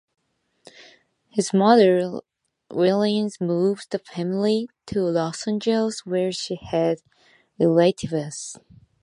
His mother Lillian moved the family to Los Angeles, where she had relatives.